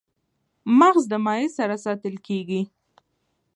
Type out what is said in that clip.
مغز د مایع سره ساتل کېږي.